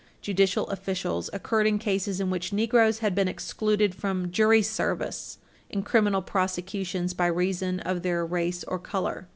16 judicial officials occurred in cases in which Negroes had been excluded from jury service in criminal prosecutions by reason of their race or color.